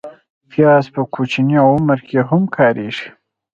پیاز په کوچني عمر کې هم کارېږي